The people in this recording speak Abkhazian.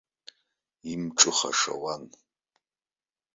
Имҿыхаша уан!